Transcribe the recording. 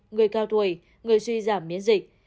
người cao tuổi người suy giảm miễn dịch